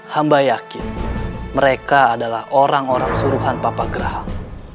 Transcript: hamba yakin mereka adalah orang orang suruhan papa gerah